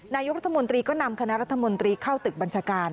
นายกรัฐมนตรีก็นำคณะรัฐมนตรีเข้าตึกบัญชาการ